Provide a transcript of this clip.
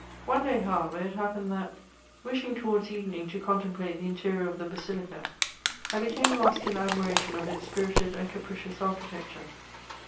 One day, however, it happened that, wishing towards evening to contemplate the interior of the basilica, I became lost in admiration of its spirited and capricious architecture.